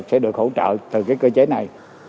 sẽ được hỗ trợ từ cơ chế này